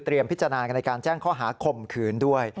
เตรียมพิจารณากันในการแจ้งข้อหาขมขืนด้วย